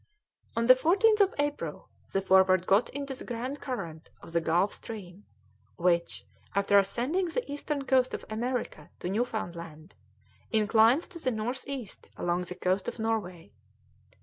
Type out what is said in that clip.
On the 14th of April the Forward got into the grand current of the Gulf Stream, which, after ascending the eastern coast of America to Newfoundland, inclines to the north east along the coast of Norway.